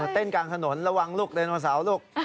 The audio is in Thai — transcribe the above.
เต้นกลางถนนระวังลูกไดโนเสาร์ลูก